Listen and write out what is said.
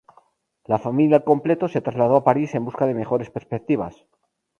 La familia al completo se trasladó a París en busca de mejores perspectivas.